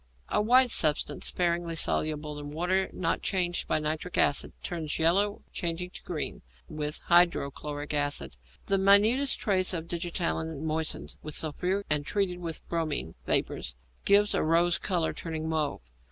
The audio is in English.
_ A white substance, sparingly soluble in water, not changed by nitric acid; turns yellow, changing to green, with hydrochloric acid. The minutest trace of digitalin moistened with sulphuric and treated with bromine vapour gives a rose colour, turning to mauve.